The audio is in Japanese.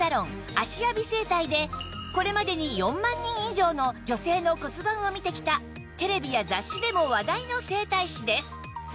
芦屋美整体でこれまでに４万人以上の女性の骨盤を見てきたテレビや雑誌でも話題の整体師です